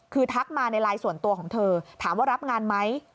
คือทักมาในไลน์ส่วนตัวของเธอถามว่ารับงานไหม